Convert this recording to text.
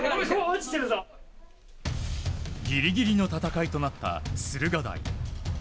ギリギリの戦いとなった駿河台。